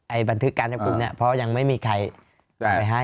บันทึกการจับกลุ่มเนี่ยเพราะยังไม่มีใครไปให้